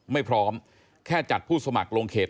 ไม่พร้อมแค่จัดผู้สมัครลงเขต